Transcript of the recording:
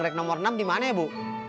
merek nomor enam dimana ya bu